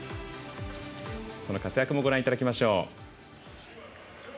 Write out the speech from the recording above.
この活躍もご覧いただきましょう。